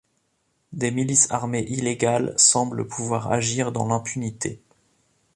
Des milices armées illégales semblent pouvoir agir dans l'impunité.